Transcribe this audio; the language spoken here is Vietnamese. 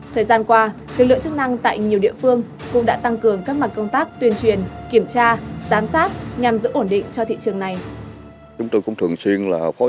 thời gian qua lực lượng chức năng tại nhiều địa phương cũng đã tăng cường các mặt công tác tuyên truyền